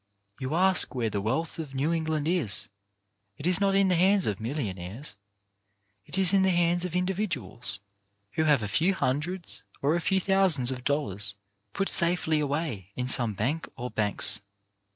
You ask where the wealth of New England is. It is not in the hands of mil lionaires. It is in the hands of individuals, who have a few hundreds or a few thousands of dollars put safely away in some bank or banks.